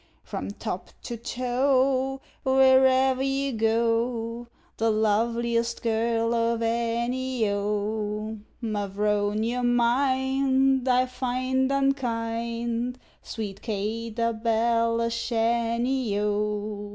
From top to toe, where'er you go, The loveliest girl of any, O, Mavrone! your mind I find unkind, Sweet Kate o' Belashanny, O!